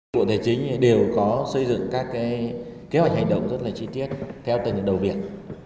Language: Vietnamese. bộ tài chính đều có xây dựng các kế hoạch hành động rất chi tiết theo tầng đầu việt